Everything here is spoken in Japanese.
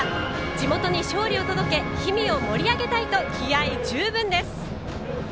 地元に勝利を届け氷見を盛り上げたいと気合十分です。